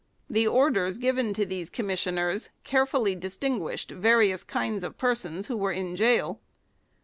The orders given to these commissioners carefully distinguished various kinds of persons who were in gaol.